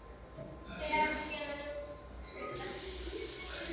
Jeho otec Pavel Babka je bývalý prvoligový fotbalista.